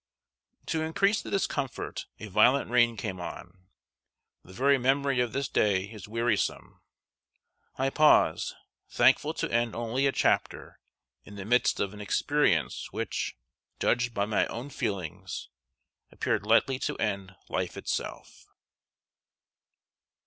] To increase the discomfort, a violent rain came on. The very memory of this day is wearisome. I pause, thankful to end only a chapter, in the midst of an experience which, judged by my own feelings, appeared likely to end life itself.